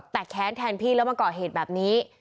แต่แค้นแทนพี่แล้วมาก่อเหตุแบบนี้